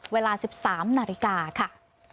เวลาสิบสามนาฬิกาค่ะ